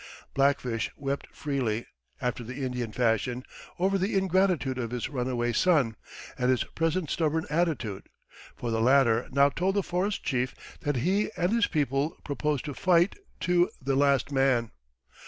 Black Fish wept freely, after the Indian fashion, over the ingratitude of his runaway "son," and his present stubborn attitude; for the latter now told the forest chief that he and his people proposed to fight to the last man.